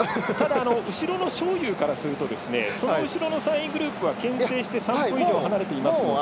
後ろの章勇からするとその後ろの３位グループはけん制して３分以上離れていますので。